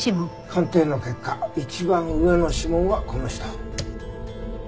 鑑定の結果一番上の指紋はこの人。